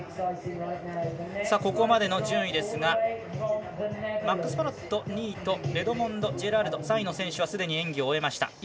ここまでの順位ですがマックス・パロット、２位とレドモンド・ジェラルド３位の選手はすでに演技を終えました。